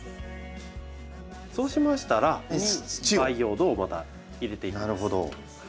そうしましたらここに培養土をまた入れていきます。